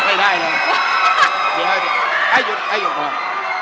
ไม่ได้เลยใครอยู่ก่อน